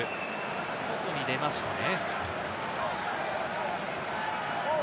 外に出ましたね。